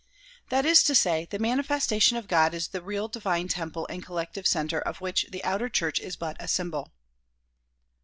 That is to say, the mani festation of God is the real divine temple and collective center of which the outer church is but a symbol.